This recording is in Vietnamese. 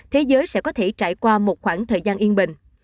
thế giới sẽ có thể trải qua một khoảng thời gian yên bình